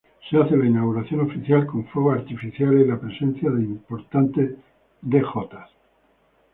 Se hace la inauguración oficial con fuegos artificiales y la presencia de importantes Dj's.